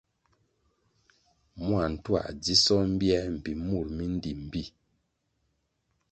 Mua ntuā dzisoh mbiē mbpi mur mi ndí mbpí.